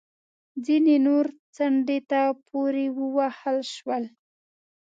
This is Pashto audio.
ځینې نور څنډې ته پورې ووهل شول